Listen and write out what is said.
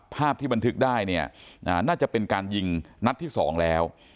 ภาพที่บันทึกได้เนี่ยน่าจะเป็นการยิงนัดที่๒แล้ว